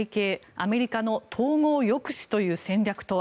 アメリカの統合抑止という戦略とは。